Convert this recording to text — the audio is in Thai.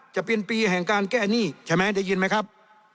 จะเป็นปีแห่งการแก้หนี้ใช่ไหมได้ยินไหมครับ